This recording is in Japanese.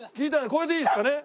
これでいいですかね？